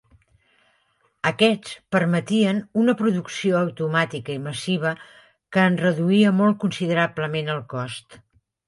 Aquests permetien una producció automàtica i massiva que en reduïa molt considerablement el cost.